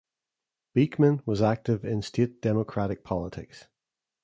Beekman was active in state Democratic politics.